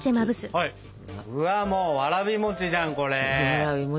うわもうわらび餅じゃんこれ。